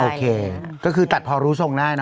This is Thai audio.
โอเคก็คือตัดพอรู้ทรงได้นะ